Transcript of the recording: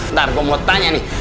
ntar gue mau tanya nih